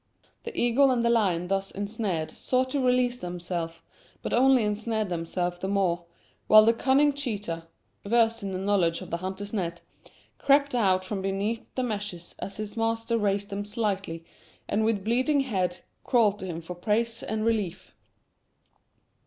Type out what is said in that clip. The eagle and the lion thus ensnared sought to release themselves, but only ensnared themselves the more, while the cunning cheetah, versed in the knowledge of the hunter's net, crept out from beneath the meshes as his master raised them slightly, and with bleeding head crawled to him for praise and relief.